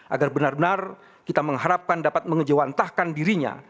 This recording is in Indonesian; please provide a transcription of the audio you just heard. agar benar benar kita mengharapkan dapat mengejawantahkan dirinya